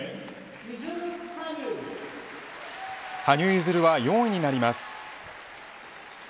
羽生結弦は４位になります。